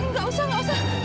nggak usah nggak usah